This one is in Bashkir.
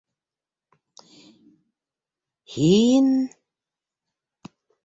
- Һин...